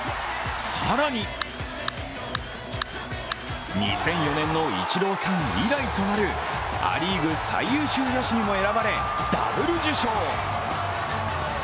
さらに、２００４年のイチローさん以来となるア・リーグ最優秀野手にも選ばれ、ダブル受賞。